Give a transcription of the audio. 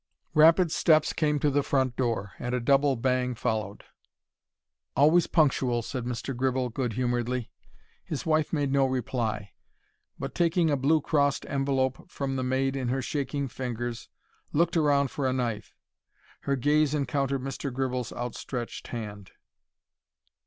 Rapid steps came to the front door, and a double bang followed. "Always punctual," said Mr. Gribble, good humouredly. His wife made no reply, but, taking a blue crossed envelope from the maid in her shaking fingers, looked round for a knife. Her gaze encountered Mr. Gribble's outstretched hand.